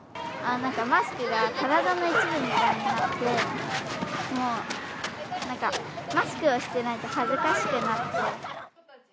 なんかマスクが体の一部みたいになって、もうなんか、マスクをしてないと恥ずかしくなって。